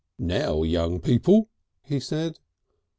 "Now, young people," he said.